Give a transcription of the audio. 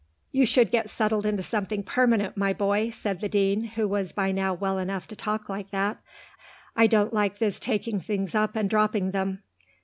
"You should get settled with something permanent, my boy," said the Dean, who was by now well enough to talk like that. "I don't like this taking things up and dropping them."